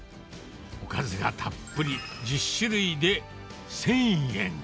おかずがたっぷり１０種類で１０００円。